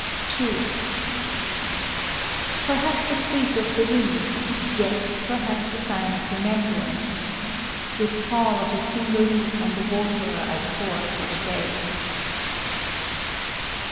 _ _(2) Perhaps a freak of the wind yet perhaps a sign of remembrance,— This fall of a single leaf on the water I pour for the dead.